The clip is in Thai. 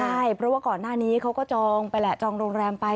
ใช่เพราะว่าก่อนหน้านี้เขาก็จองไปแหละจองโรงแรมไป